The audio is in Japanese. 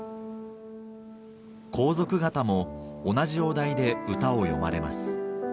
皇族方も同じお題で歌を詠まれます